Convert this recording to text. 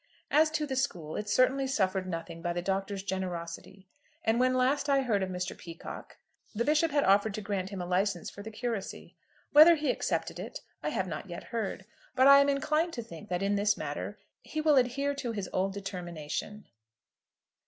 As to the school, it certainly suffered nothing by the Doctor's generosity, and when last I heard of Mr. Peacocke, the Bishop had offered to grant him a licence for the curacy. Whether he accepted it I have not yet heard, but I am inclined to think that in this matter he will adhere to his old determination.